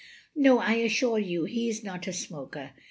"No, I assure you he is not a smoker.